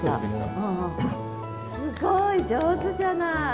すごい上手じゃない！